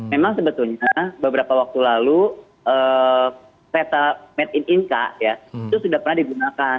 memang sebetulnya beberapa waktu lalu peta made in inca ya itu sudah pernah digunakan